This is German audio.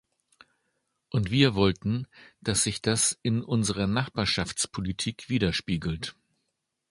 Und wir wollten, dass sich das in unserer Nachbarschaftspolitik widerspiegelt.